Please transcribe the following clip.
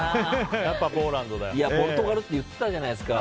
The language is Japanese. ポルトガルって言ってたじゃないですか。